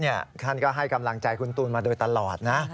ท่านก็ให้กำลังใจคุณตูนมาโดยตลอดนะ